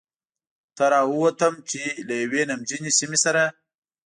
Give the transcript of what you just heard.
ته را ووتم، چې له یوې نمجنې سیمې سره.